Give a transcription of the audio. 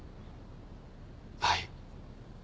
はい。